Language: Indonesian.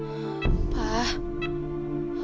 apa mau pergi